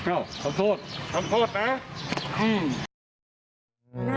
อ้าวทำโทษทำโทษนะ